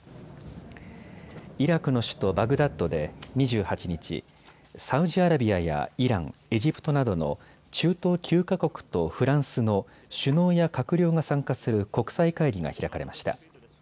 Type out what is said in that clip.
イラクの首都バグダッドで２８日、サウジアラビアやイラン、エジプトなどの中東９か国とフランスの首脳や閣僚が参加する国際会議が開かれました。